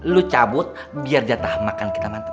lu cabut biar jatah makan kita mantap